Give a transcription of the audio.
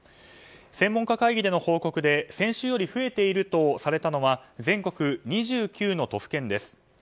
専門家会議での報告で先週より増えているとされたのが全国２９の都府県です。